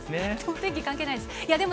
天気関係ないです。